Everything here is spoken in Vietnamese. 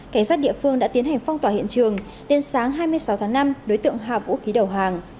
cảnh sát địa phương đã tiến hành phong tỏa hiện trường đến sáng hai mươi sáu tháng năm đối tượng hạ vũ khí đầu hàng